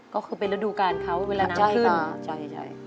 ก็คือเป็นระดูการเขาเวลานานขึ้น